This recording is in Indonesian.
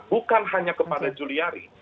bukan hanya kepada juliari